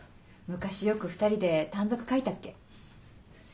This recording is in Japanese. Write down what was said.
昔よく２人で短冊書いたっけ。